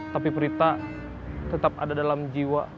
tapi prita tetap ada dalam jiwa